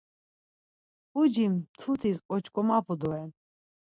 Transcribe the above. Puci mtutis oç̌ǩomapu doren.